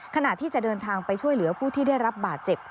ขณะที่จะเดินทางไปช่วยเหลือผู้ที่ได้รับบาดเจ็บ